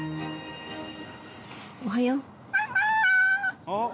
おはよう。